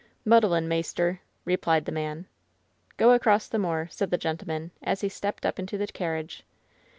"Muddlin', maister," replied the man. "Go across the moor," said the gentleman, as he stepped up into the carriage.